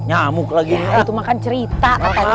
nyamuk lagi itu makan cerita katanya